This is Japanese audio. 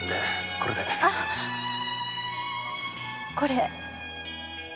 これ。